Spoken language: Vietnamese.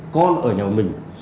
con ở nhà một mình